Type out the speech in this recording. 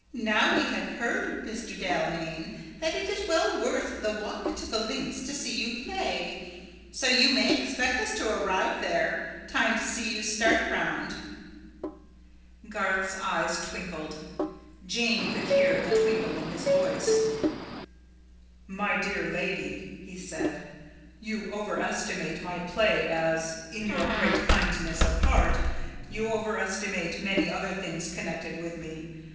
"Now we have heard, Mr. Dalmain, that it is well worth the walk to the links to see you play. So you may expect us to arrive there, time to see you start around." Garth's eyes twinkled. Jane could hear the twinkle in his voice. "My dear lady," he said, "you overestimate my play as, in your great kindness of heart, you overestimate many other things connected with me.